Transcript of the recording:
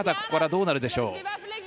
ここからどうなるでしょう？